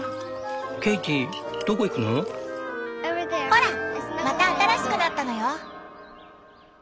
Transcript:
ほらまた新しくなったのよ！